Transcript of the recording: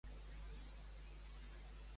Ser blau el fester.